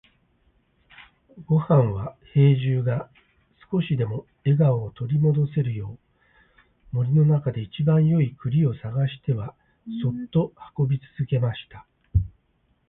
ごんは兵十が少しでも笑顔を取り戻せるよう、森の中で一番よい栗を探してはそっと運び続けました。